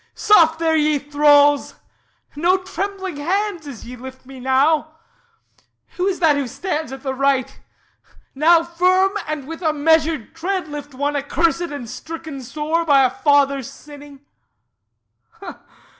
Soft there, ye thralls! No trembling hands As ye lift me, now! Who is that that stands At the right? Now firm, and with measured tread, Lift one accursèd and stricken sore By a father's sinning.